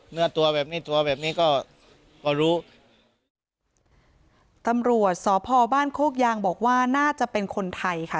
เนื้อตัวแบบนี้ตัวแบบนี้ก็พอรู้ตำรวจสพบ้านโคกยางบอกว่าน่าจะเป็นคนไทยค่ะ